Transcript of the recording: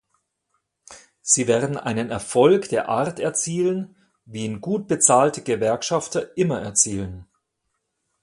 Sie werden einen Erfolg der Art erzielen, wie ihn gut bezahlte Gewerkschafter immer erzielen.